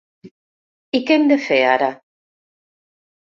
I què hem de fer ara?